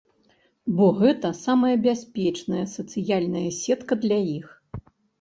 Бо гэта самая бяспечная сацыяльная сетка для іх.